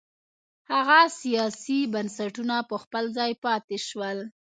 هغه سیاسي بنسټونه په خپل ځای پاتې شول.